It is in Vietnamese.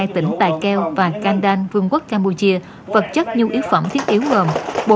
tỉnh tài keo và kandan vương quốc campuchia vật chất nhu yếu phẩm thiết yếu ngồm